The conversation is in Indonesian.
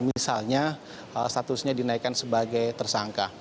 misalnya statusnya dinaikkan sebagai tersangka